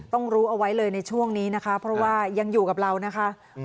ต้องรู้เอาไว้เลยในช่วงนี้นะคะเพราะว่ายังอยู่กับเรานะคะ